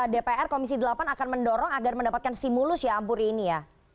dpr komisi delapan akan mendorong agar mendapatkan stimulus ya ampuri ini ya